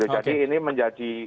jadi ini menjadi